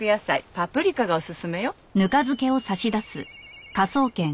パプリカがおすすめよ。